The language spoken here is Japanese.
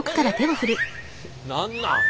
何なん。